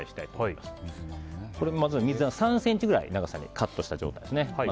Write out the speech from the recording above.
まず水菜は３ｃｍくらいの長さにカットした状態です。